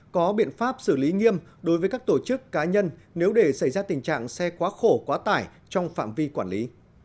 có biện pháp xử lý nghiêm đối với các tổ chức cá nhân nếu để xảy ra tình trạng xe quá khổ quá tải trong phạm vi quản lý